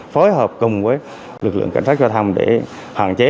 phối hợp cùng với lực lượng cảnh sát giao thông để hạn chế